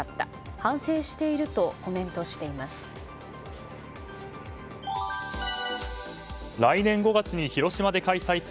反省しているとコメントしています。